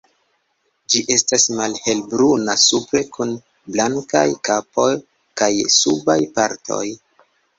Ĝi estas malhelbruna supre kun blankaj kapo kaj subaj partoj.